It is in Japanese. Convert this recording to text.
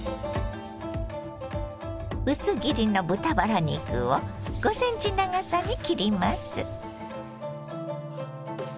薄切りの豚バラ肉を５ｃｍ長さに切ります。